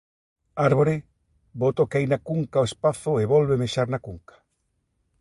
Árbore, bota o que hai na cunca ao espazo e volve mexar na cunca.